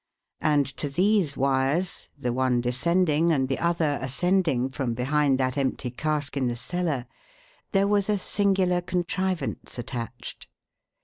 And to these wires the one descending and the other ascending from behind that empty cask in the cellar there was a singular contrivance attached.